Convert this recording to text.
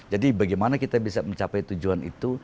jadi bagaimana kita bisa mencapai tujuan itu